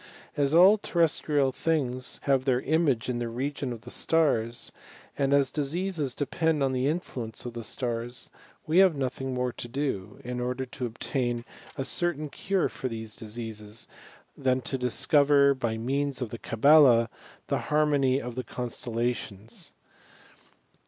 As all terrestrial things have their image in the region of the stars, and as diseases depend also on the influence of the stars, we have nothing more to do, in order to obtain a cer« 164 HISTOllY OF CHEMIST&T* tain cure for these diseases, than to discover, by means ot the Cabala, the harmony of the constellations.